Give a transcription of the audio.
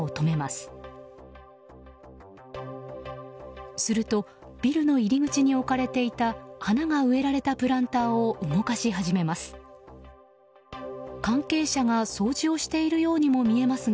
するとビルの入り口に置かれていた花が植えられたプランターを動かし始めます。